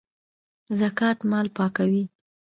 زکات مال پاکوي